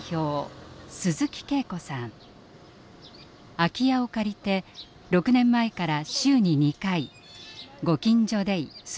空き家を借りて６年前から週に２回ご近所デイ・すずの家を開いてきました。